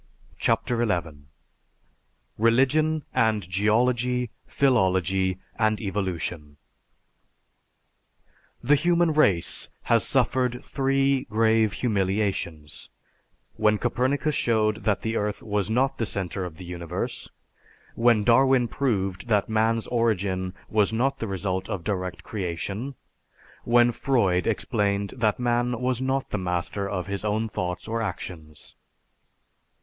CHAPTER XI RELIGION AND GEOLOGY, PHILOLOGY AND EVOLUTION _The human race has suffered three grave humiliations: when Copernicus showed that the earth was not the center of the universe; when Darwin proved that man's origin was not the result of direct creation; when Freud explained that man was not the master of his own thoughts or actions_.